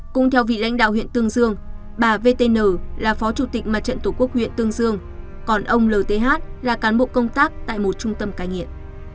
cũng theo vị lãnh đạo huyện tương dương bà v t n là phó chủ tịch mặt trận tổ quốc huyện tương dương còn ông l t h là cán bộ công tác tại một trung tâm cai nghiện